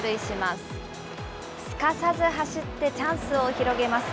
すかさず走ってチャンスを広げます。